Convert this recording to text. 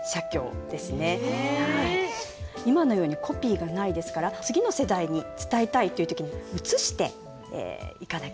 今のようにコピーがないですから次の世代に伝えたいという時に写していかなければいけないんですね。